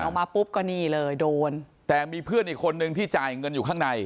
ออกมาปุ๊บก็นี่เลยโดนแต่มีเพื่อนอีกคนนึงที่จ่ายเงินอยู่ข้างใน